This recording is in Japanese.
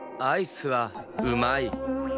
アイスはうまい。